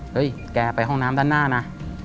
แกไปห้องน้ำด้านหน้านะ